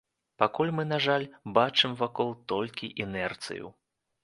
Пакуль мы, на жаль, бачым вакол толькі інерцыю.